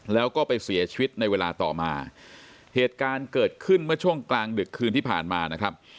แล้วก็ไปเสียชีวิตในเวลาต่อมาเหตุการณ์เกิดขึ้นเมื่อช่วงกลางดึกคืนที่ผ่านมานะครับ